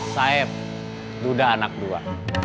saif duda anak dua